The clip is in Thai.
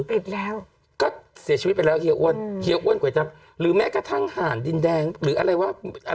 ปิดแล้วก็เสียชีวิตไปแล้วเฮียอ้วนเฮียอ้วนก๋วยจับหรือแม้กระทั่งห่านดินแดงหรืออะไรว่า